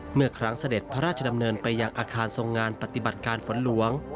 เมื่อครั้งเสด็จพระราชดำเนินไปยังอาคารทรงงานปฏิบัติการฝนหลวง